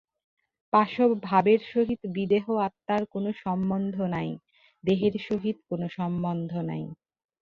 পাশব ভাবের সহিত বিদেহ আত্মার কোন সম্বন্ধ নাই, দেহের সহিত কোন সম্বন্ধ নাই।